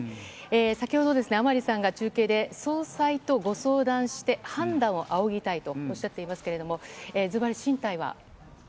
先ほど甘利さんが中継で、総裁とご相談して判断を仰ぎたいとおっしゃっていますけれども、ずばり、進退は？